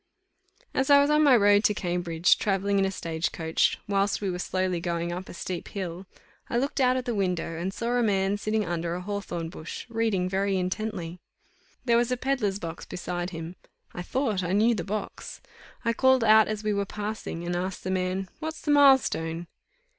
As I was on my road to Cambridge, travelling in a stagecoach, whilst we were slowly going up a steep hill, I looked out of the window, and saw a man sitting under a hawthorn bush, reading very intently. There was a pedlar's box beside him; I thought I knew the box. I called out as we were passing, and asked the man, "What's the mile stone?"